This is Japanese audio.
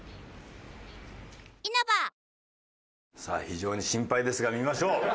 さあ非常に心配ですが見ましょう。